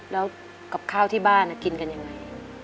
แล้วกับข้าวที่บ้านกินกันยังไง